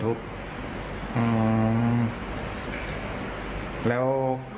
อืมแล้ว